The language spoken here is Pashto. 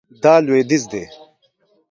دا لویدیځ دی